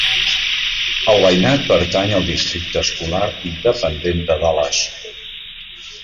El veïnat pertany al districte escolar independent de Dallas.